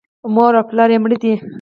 مور او پلار یې مړه دي .